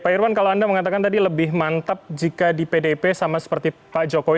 pak irwan kalau anda mengatakan tadi lebih mantap jika di pdip sama seperti pak jokowi